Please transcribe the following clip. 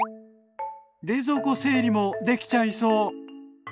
冷蔵庫整理もできちゃいそう。